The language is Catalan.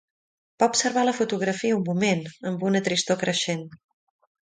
Va observar la fotografia un moment, amb una tristor creixent.